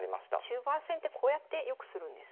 中盤戦ってこうやって良くするんですね。